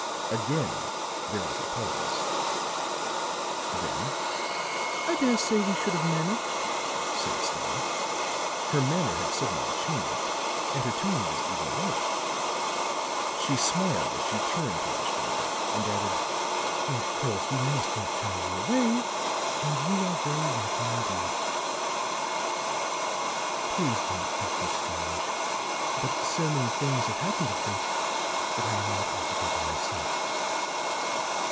Again there was a pause; then: "I dare say we should have managed," said Stella. Her manner had suddenly changed, and her tone was even light; she smiled as she turned to Ashton Kirk and added: "Of course we must not turn you away; and you are very welcome indeed. Please do not think me strange; but so many things have happened of late that I am not altogether myself."